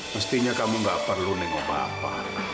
mestinya kamu gak perlu nengok bapak